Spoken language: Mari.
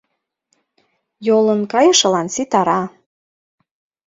Йолын кайышылан ситара.